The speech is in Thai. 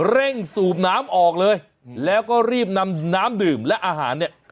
สูบน้ำออกเลยแล้วก็รีบนำน้ำดื่มและอาหารเนี่ย